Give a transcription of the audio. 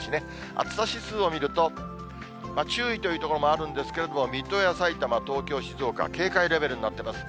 暑さ指数を見ると、注意という所もあるんですけれども、水戸やさいたま、東京、静岡、警戒レベルになってます。